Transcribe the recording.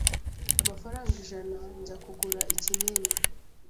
amafaranga ijana njya kugura ikinin